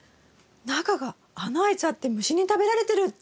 中が穴あいちゃって虫に食べられてるって思ったくらい。